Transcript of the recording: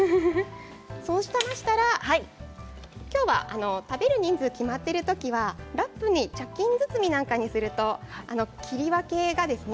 そうしましたら今日は食べる人数が決まっている時はラップに茶巾包みなんかにすると切り分けが。